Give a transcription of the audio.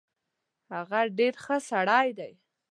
هغه ډیر خه سړی دی